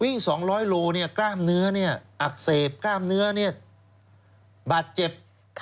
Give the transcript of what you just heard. ๒๐๐โลกล้ามเนื้ออักเสบกล้ามเนื้อบาดเจ็บ